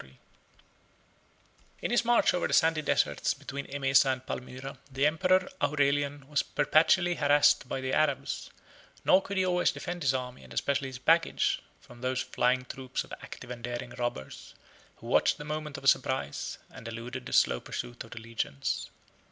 ] In his march over the sandy desert between Emesa and Palmyra, the emperor Aurelian was perpetually harassed by the Arabs; nor could he always defend his army, and especially his baggage, from those flying troops of active and daring robbers, who watched the moment of surprise, and eluded the slow pursuit of the legions.